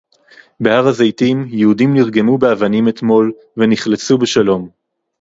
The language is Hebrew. בהר-הזיתים יהודים נרגמו באבנים אתמול ונחלצו בשלום